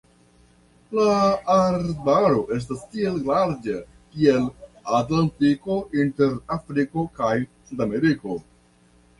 La arbaro esta tiel larĝa kiel Atlantiko inter Afriko kaj Sudameriko.